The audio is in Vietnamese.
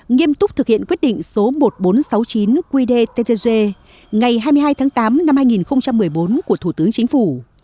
nghiêm túc thực hiện quyết định số một nghìn bốn trăm sáu mươi chín qdttg ngày hai mươi hai tháng tám năm hai nghìn một mươi bốn của thủ tướng chính phủ